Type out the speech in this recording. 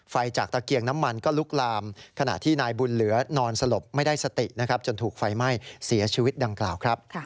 ไฟจากตะเกียงน้ำมันก็ลุกลามขณะที่นายบุญเหลือนอนสลบไม่ได้สตินะครับจนถูกไฟไหม้เสียชีวิตดังกล่าวครับ